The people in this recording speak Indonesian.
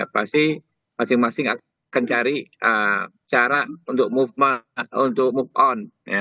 pasti masing masing akan cari cara untuk move on